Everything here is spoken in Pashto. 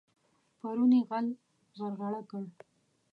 پرون يې غل غرغړه کړ.